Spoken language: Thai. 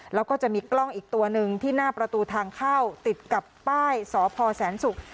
แล้วก็จะมีกล้องอีกตัวหนึ่งที่หน้าประตูทางเข้าติดกับป้ายสพแสนศุกร์